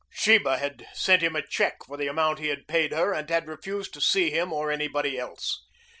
Sheba had sent him a check for the amount he had paid her and had refused to see him or anybody else.